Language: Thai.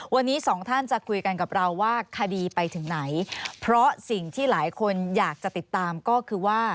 วันนี้สองท่านจะคุยกันกับเราว่าคดีไปถึงไหนเพราะสิ่งที่หลายคนอยากจะติดตามก็คือว่า